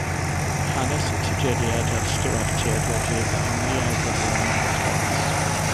Hanes y Tuduriaid a'r Stiwartiaid wedi ei ddehongli a'i ddarlunio'n gyffrous.